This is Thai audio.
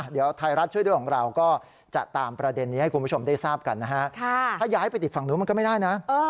เดี๋ยวไทยรัฐช่วยด้วยของเราก็จะตามประเด็นนี้ให้คุณผู้ชมได้ทราบกันนะฮะถ้าย้ายไปติดฝั่งนู้นมันก็ไม่ได้นะ